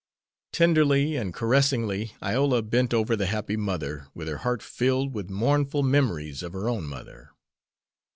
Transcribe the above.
Tenderly and caressingly Iola bent over the happy mother, with her heart filled with mournful memories of her own mother.